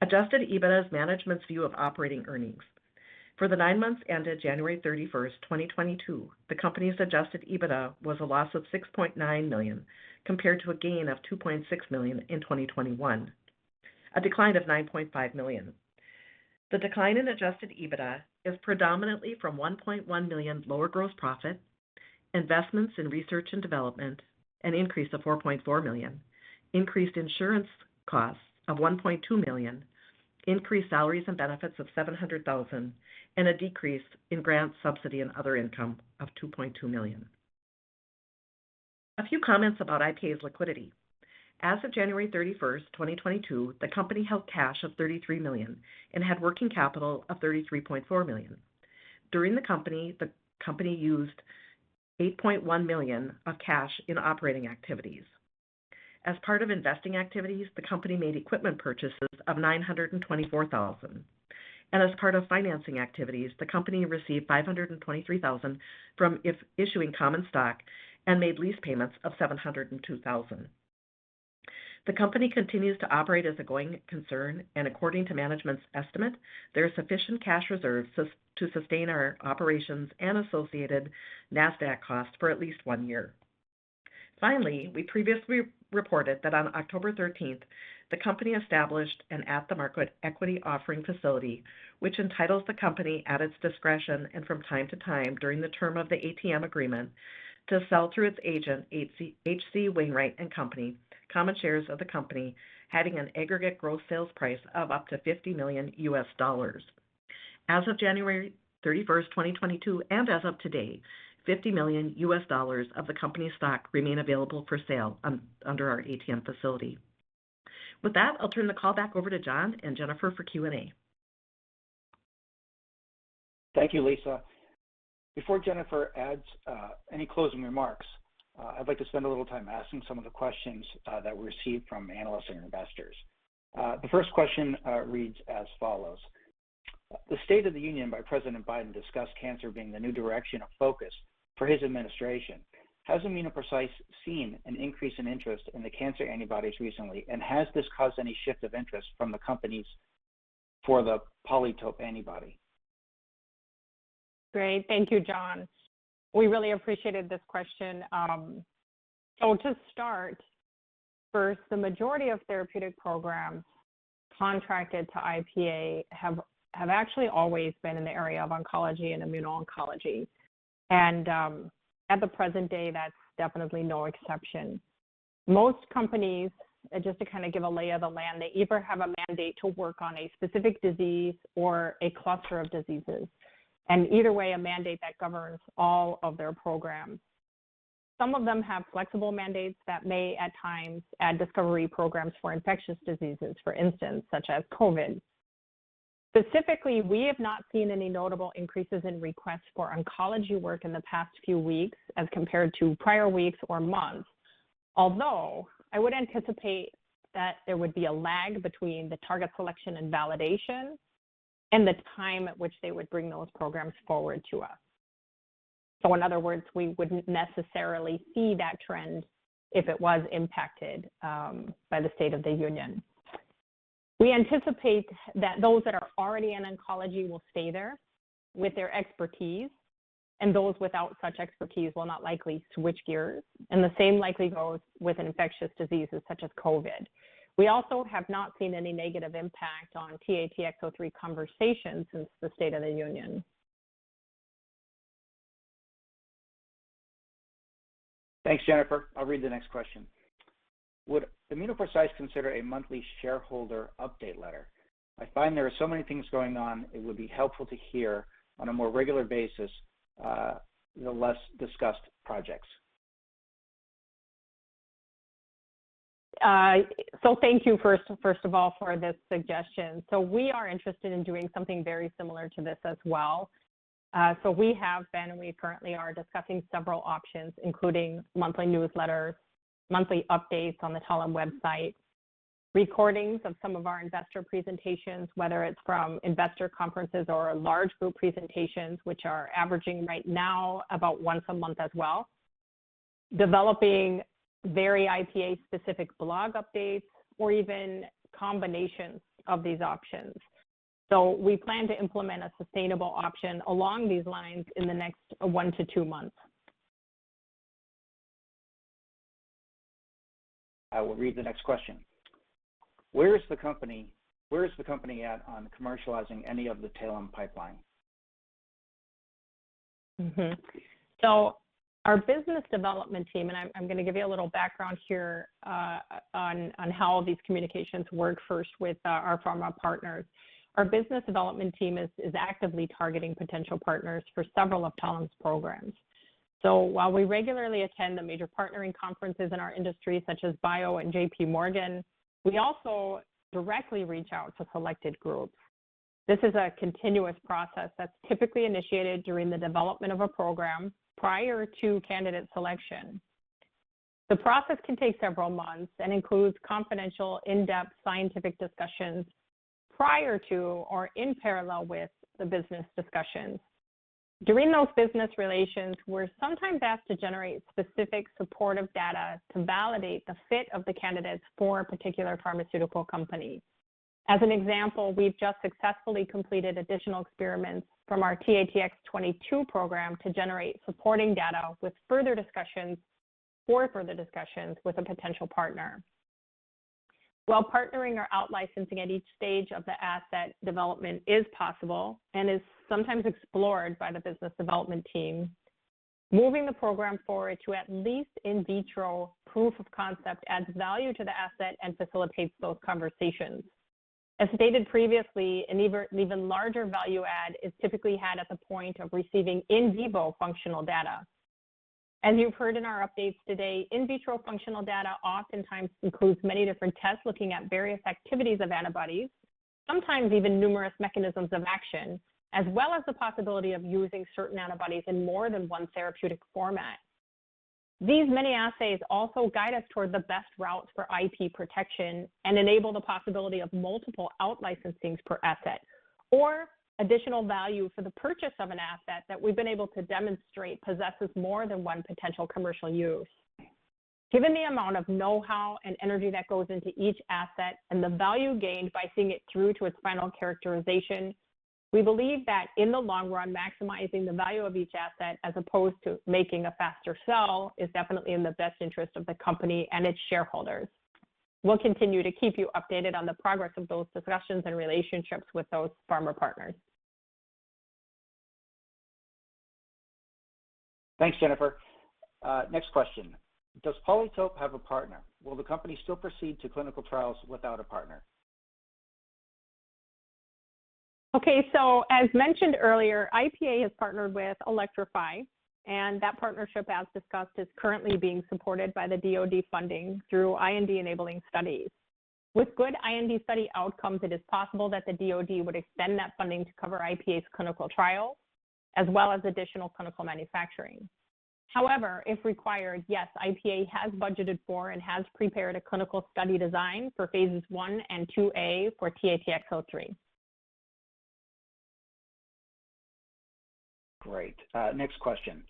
Adjusted EBITDA is management's view of operating earnings. For the nine months ended January 31, 2022, the company's adjusted EBITDA was a loss of 6.9 million, compared to a gain of 2.6 million in 2021, a decline of 9.5 million. The decline in adjusted EBITDA is predominantly from 1.1 million lower gross profit, investments in research and development, an increase of 4.4 million, increased insurance costs of 1.2 million, increased salaries and benefits of 700,000, and a decrease in grant subsidy and other income of 2.2 million. A few comments about IPA's liquidity. As of January 31, 2022, the company held cash of 33 million and had working capital of 33.4 million. During the period, the company used 8.1 million of cash in operating activities. As part of investing activities, the company made equipment purchases of 924,000. As part of financing activities, the company received 523,000 from issuing common stock and made lease payments of 702,000. The company continues to operate as a going concern, and according to management's estimate, there are sufficient cash reserves to sustain our operations and associated Nasdaq costs for at least one year. Finally, we previously reported that on October 13, the company established an at-the-market equity offering facility, which entitles the company, at its discretion and from time to time during the term of the ATM agreement, to sell through its agent, H.C. Wainwright & Co., common shares of the company having an aggregate gross sales price of up to $50 million. As of January 31, 2022, and as of today, $50 million of the company's stock remain available for sale under our ATM facility. With that, I'll turn the call back over to John and Jennifer for Q&A.
Thank you, Lisa. Before Jennifer adds any closing remarks, I'd like to spend a little time asking some of the questions that we received from analysts and investors. The first question reads as follows. The State of the Union by President Biden discussed cancer being the new direction of focus for his administration. Has ImmunoPrecise seen an increase in interest in the cancer antibodies recently, and has this caused any shift of interest from the companies for the PolyTope antibody?
Great. Thank you, John. We really appreciated this question. To start, first, the majority of therapeutic programs contracted to IPA have actually always been in the area of oncology and immuno-oncology. At the present day, that's definitely no exception. Most companies, just to kind of give a lay of the land, they either have a mandate to work on a specific disease or a cluster of diseases, and either way, a mandate that governs all of their programs. Some of them have flexible mandates that may, at times, add discovery programs for infectious diseases, for instance, such as COVID. Specifically, we have not seen any notable increases in requests for oncology work in the past few weeks as compared to prior weeks or months. Although I would anticipate that there would be a lag between the target selection and validation and the time at which they would bring those programs forward to us. In other words, we wouldn't necessarily see that trend if it was impacted by the State of the Union. We anticipate that those that are already in oncology will stay there with their expertise, and those without such expertise will not likely switch gears, and the same likely goes with infectious diseases such as COVID. We also have not seen any negative impact on TATX-03 conversations since the State of the Union.
Thanks, Jennifer. I'll read the next question. Would ImmunoPrecise consider a monthly shareholder update letter? I find there are so many things going on, it would be helpful to hear on a more regular basis, the less discussed projects.
Thank you first of all for the suggestion. We are interested in doing something very similar to this as well. We have been, and we currently are discussing several options, including monthly newsletters, monthly updates on the Talem website, recordings of some of our investor presentations, whether it's from investor conferences or large group presentations, which are averaging right now about once a month as well, developing very IPA-specific blog updates or even combinations of these options. We plan to implement a sustainable option along these lines in the next 1-2 months.
I will read the next question. Where is the company at on commercializing any of the Talem pipeline?
Our business development team, and I'm gonna give you a little background here, on how these communications work first with our pharma partners. Our business development team is actively targeting potential partners for several of Talem's programs. While we regularly attend the major partnering conferences in our industry, such as BIO and J.P. Morgan, we also directly reach out to selected groups. This is a continuous process that's typically initiated during the development of a program prior to candidate selection. The process can take several months and includes confidential in-depth scientific discussions prior to or in parallel with the business discussions. During those business relations, we're sometimes asked to generate specific supportive data to validate the fit of the candidates for a particular pharmaceutical company. As an example, we've just successfully completed additional experiments from our TATX-22 program to generate supporting data with further discussions with a potential partner. While partnering or out-licensing at each stage of the asset development is possible and is sometimes explored by the business development team, moving the program forward to at least in vitro proof of concept adds value to the asset and facilitates those conversations. As stated previously, an even larger value add is typically had at the point of receiving in vivo functional data. As you've heard in our updates today, in vitro functional data oftentimes includes many different tests looking at various activities of antibodies, sometimes even numerous mechanisms of action, as well as the possibility of using certain antibodies in more than one therapeutic format. These many assays also guide us toward the best routes for IP protection and enable the possibility of multiple out-licensings per asset or additional value for the purchase of an asset that we've been able to demonstrate possesses more than one potential commercial use. Given the amount of know-how and energy that goes into each asset and the value gained by seeing it through to its final characterization, we believe that in the long run, maximizing the value of each asset as opposed to making a faster sell is definitely in the best interest of the company and its shareholders. We'll continue to keep you updated on the progress of those discussions and relationships with those pharma partners.
Thanks, Jennifer. Next question. Does PolyTope have a partner? Will the company still proceed to clinical trials without a partner?
Okay. As mentioned earlier, IPA has partnered with Elektrofi, and that partnership, as discussed, is currently being supported by the DoD funding through IND-enabling studies. With good IND study outcomes, it is possible that the DoD would extend that funding to cover IPA's clinical trials as well as additional clinical manufacturing. However, if required, yes, IPA has budgeted for and has prepared a clinical study design for phase I and IIA for TATX-03.
Great. Next question.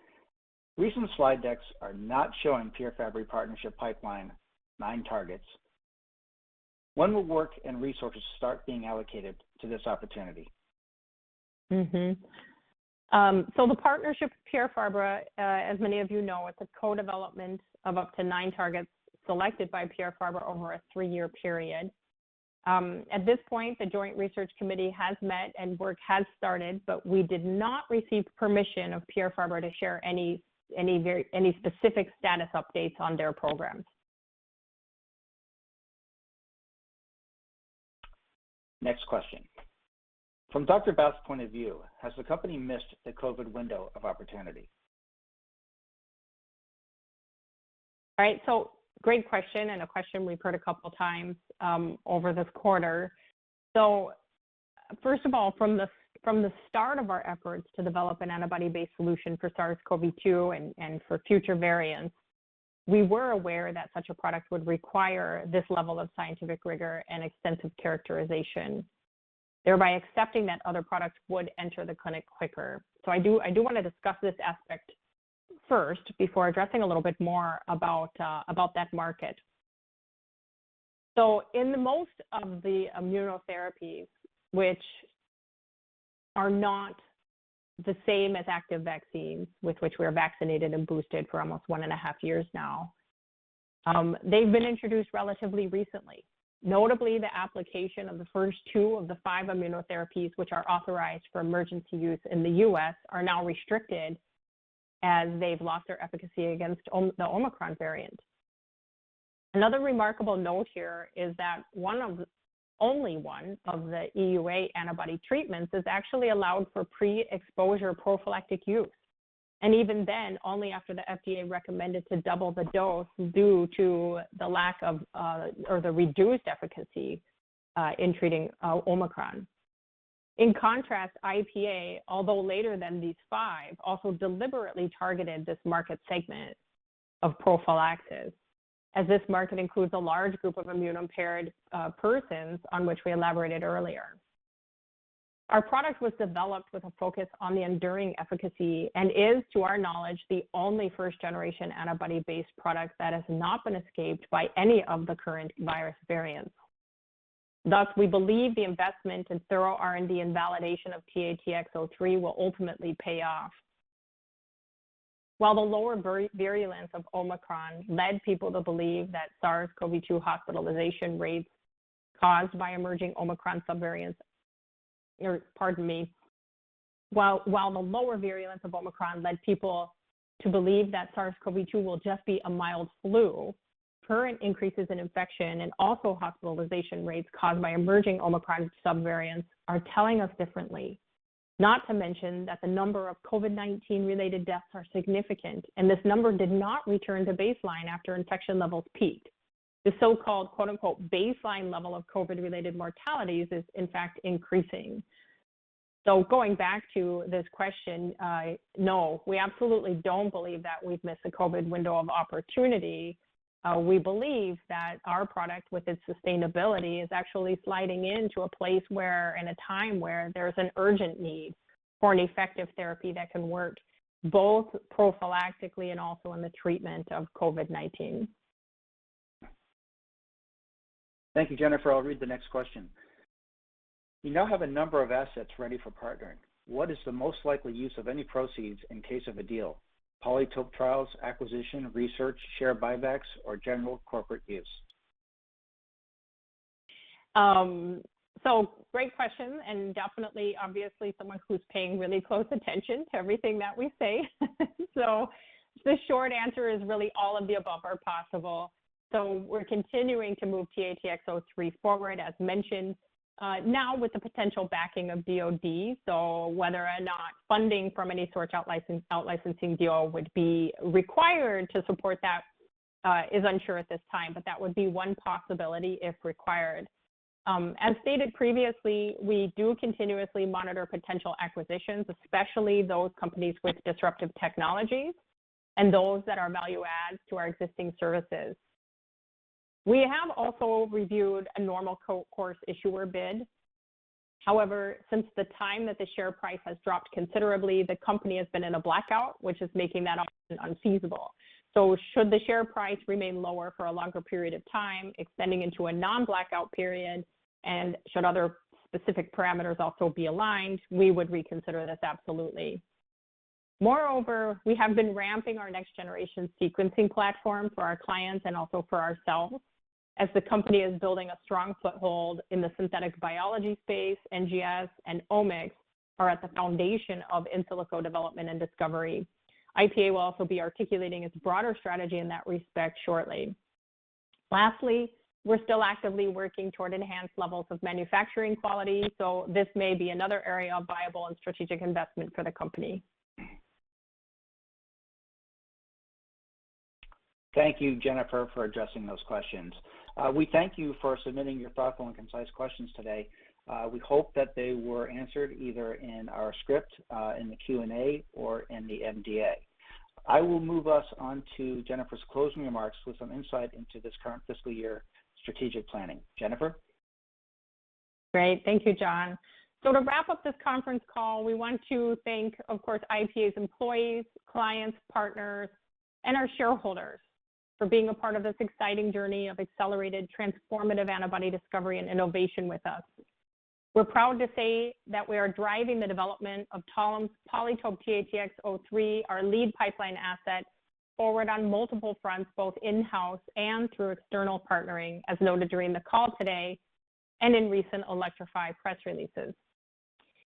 Recent slide decks are not showing Pierre Fabre partnership pipeline nine targets. When will work and resources start being allocated to this opportunity?
The partnership with Pierre Fabre, as many of you know, is a co-development of up to nine targets selected by Pierre Fabre over a three-year period. At this point, the joint research committee has met and work has started, but we did not receive permission of Pierre Fabre to share any specific status updates on their programs.
Next question. From Dr. Bax's point of view, has the company missed the COVID window of opportunity?
Right. Great question, and a question we've heard a couple times over this quarter. First of all, from the start of our efforts to develop an antibody-based solution for SARS-CoV-2 and for future variants, we were aware that such a product would require this level of scientific rigor and extensive characterization, thereby accepting that other products would enter the clinic quicker. I do wanna discuss this aspect first before addressing a little bit more about that market. In most of the immunotherapies, which are not the same as active vaccines with which we are vaccinated and boosted for almost one and a half years now, they've been introduced relatively recently. Notably, the application of the first 2 of the 5 immunotherapies which are authorized for emergency use in the U.S. are now restricted as they've lost their efficacy against the Omicron variant. Another remarkable note here is that only 1 of the EUA antibody treatments is actually allowed for pre-exposure prophylactic use, and even then, only after the FDA recommended to double the dose due to the lack of, or the reduced efficacy, in treating Omicron. In contrast, IPA, although later than these 5, also deliberately targeted this market segment of prophylactics, as this market includes a large group of immunocompromised persons on which we elaborated earlier. Our product was developed with a focus on the enduring efficacy and is, to our knowledge, the only first-generation antibody-based product that has not been escaped by any of the current virus variants. Thus, we believe the investment in thorough R&D and validation of TATX-03 will ultimately pay off. While the lower virulence of Omicron led people to believe that SARS-CoV-2 will just be a mild flu, current increases in infection and also hospitalization rates caused by emerging Omicron subvariants are telling us differently. Not to mention that the number of COVID-19 related deaths are significant, and this number did not return to baseline after infection levels peaked. The so-called, quote-unquote, baseline level of COVID related mortalities is in fact increasing. Going back to this question, no, we absolutely don't believe that we've missed a COVID window of opportunity. We believe that our product, with its sustainability, is actually sliding into a place where, in a time where there's an urgent need for an effective therapy that can work both prophylactically and also in the treatment of COVID-19.
Thank you, Jennifer. I'll read the next question. You now have a number of assets ready for partnering. What is the most likely use of any proceeds in case of a deal? PolyTope trials, acquisition, research, share buybacks, or general corporate use?
Great question, and definitely obviously someone who's paying really close attention to everything that we say. The short answer is really all of the above are possible. We're continuing to move TATX-03 forward, as mentioned, now with the potential backing of DoD. Whether or not funding from any source out-licensing deal would be required to support that is unsure at this time, but that would be one possibility if required. As stated previously, we do continuously monitor potential acquisitions, especially those companies with disruptive technologies and those that are value adds to our existing services. We have also reviewed a normal course issuer bid. However, since the time that the share price has dropped considerably, the company has been in a blackout, which is making that option unfeasible. Should the share price remain lower for a longer period of time, extending into a non-blackout period, and should other specific parameters also be aligned, we would reconsider this, absolutely. Moreover, we have been ramping our next generation sequencing platform for our clients and also for ourselves, as the company is building a strong foothold in the synthetic biology space. NGS and Omics are at the foundation of in silico development and discovery. IPA will also be articulating its broader strategy in that respect shortly. Lastly, we're still actively working toward enhanced levels of manufacturing quality, so this may be another area of viable and strategic investment for the company.
Thank you, Jennifer, for addressing those questions. We thank you for submitting your thoughtful and concise questions today. We hope that they were answered either in our script, in the Q&A or in the NDA. I will move us on to Jennifer's closing remarks with some insight into this current fiscal year strategic planning. Jennifer.
Great. Thank you, John. To wrap up this conference call, we want to thank, of course, IPA's employees, clients, partners, and our shareholders for being a part of this exciting journey of accelerated transformative antibody discovery and innovation with us. We're proud to say that we are driving the development of Talem's PolyTope TATX-03, our lead pipeline asset, forward on multiple fronts, both in-house and through external partnering, as noted during the call today and in recent Elektrofi press releases.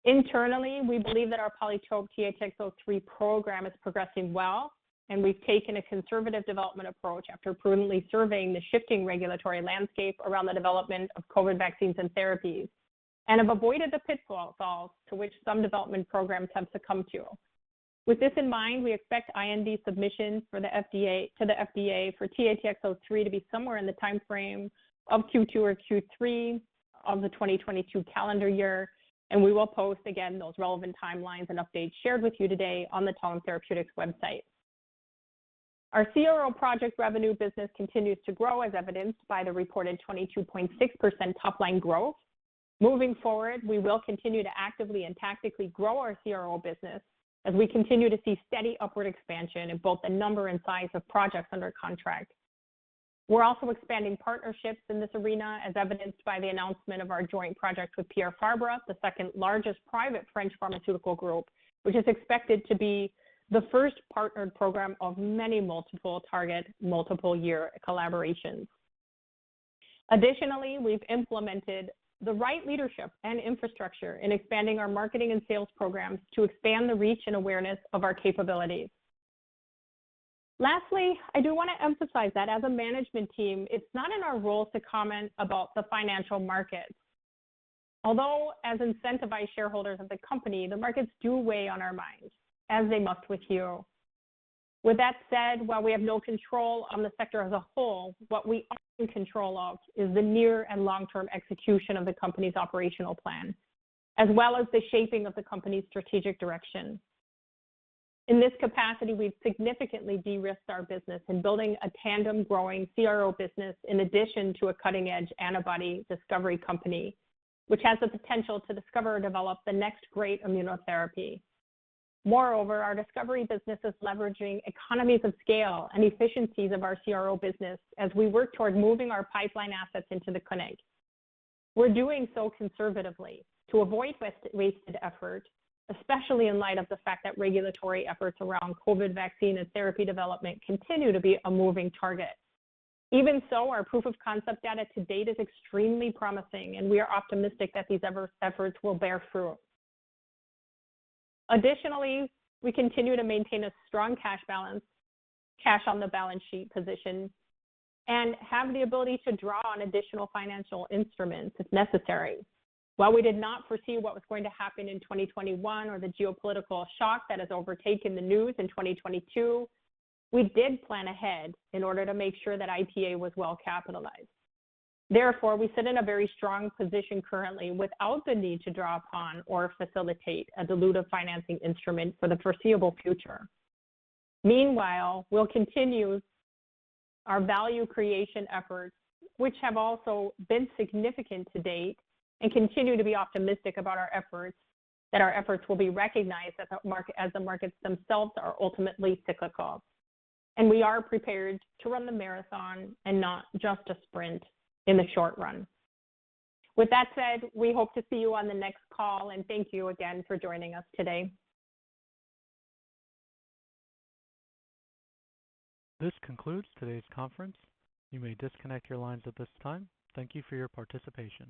Internally, we believe that our PolyTope TATX-03 program is progressing well, and we've taken a conservative development approach after prudently surveying the shifting regulatory landscape around the development of COVID vaccines and therapies, and have avoided the pitfalls to which some development programs have succumbed to. With this in mind, we expect IND submissions to the FDA for TATX-03 to be somewhere in the timeframe of Q2 or Q3 of the 2022 calendar year, and we will post again those relevant timelines and updates shared with you today on the Talem Therapeutics website. Our CRO project revenue business continues to grow, as evidenced by the reported 22.6% top-line growth. Moving forward, we will continue to actively and tactically grow our CRO business as we continue to see steady upward expansion in both the number and size of projects under contract. We're also expanding partnerships in this arena, as evidenced by the announcement of our joint project with Pierre Fabre, the second largest private French pharmaceutical group, which is expected to be the first partnered program of many multiple target, multiple year collaborations. Additionally, we've implemented the right leadership and infrastructure in expanding our marketing and sales programs to expand the reach and awareness of our capabilities. Lastly, I do want to emphasize that as a management team, it's not in our role to comment about the financial markets, although as incentivized shareholders of the company, the markets do weigh on our minds, as they must with you. With that said, while we have no control on the sector as a whole, what we are in control of is the near and long-term execution of the company's operational plan, as well as the shaping of the company's strategic direction. In this capacity, we've significantly de-risked our business in building a tandem growing CRO business in addition to a cutting-edge antibody discovery company, which has the potential to discover or develop the next great immunotherapy. Moreover, our discovery business is leveraging economies of scale and efficiencies of our CRO business as we work toward moving our pipeline assets into the clinic. We're doing so conservatively to avoid wasted effort, especially in light of the fact that regulatory efforts around COVID vaccine and therapy development continue to be a moving target. Even so, our proof of concept data to date is extremely promising, and we are optimistic that these efforts will bear fruit. Additionally, we continue to maintain a strong cash balance, cash on the balance sheet position, and have the ability to draw on additional financial instruments if necessary. While we did not foresee what was going to happen in 2021 or the geopolitical shock that has overtaken the news in 2022, we did plan ahead in order to make sure that IPA was well capitalized. Therefore, we sit in a very strong position currently without the need to draw upon or facilitate a dilutive financing instrument for the foreseeable future. Meanwhile, we'll continue our value creation efforts, which have also been significant to date, and continue to be optimistic about our efforts, that our efforts will be recognized as the market, as the markets themselves are ultimately cyclical. We are prepared to run the marathon and not just a sprint in the short run. With that said, we hope to see you on the next call, and thank you again for joining us today.
This concludes today's conference. You may disconnect your lines at this time. Thank you for your participation.